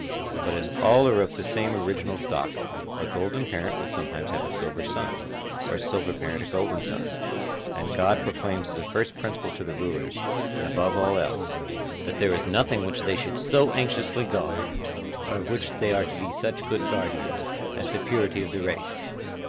But as all are of the same original stock, a golden parent will sometimes have a silver son, or a silver parent a golden son. And God proclaims as a first principle to the rulers, and above all else, that there is nothing which they should so anxiously guard, or of which they are to be such good guardians, as of the purity of the race.